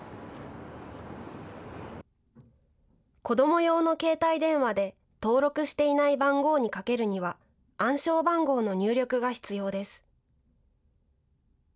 子ども用の携帯電話で登録していない番号にかけるには暗証番号の入力が必要です。